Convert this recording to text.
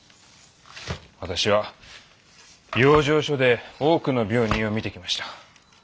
私は養生所で多くの病人を見てきました。